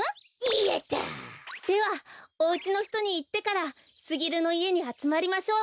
やった！ではおうちのひとにいってからすぎるのいえにあつまりましょう。